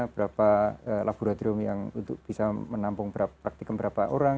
beberapa laboratorium yang untuk bisa menampung praktikum beberapa orang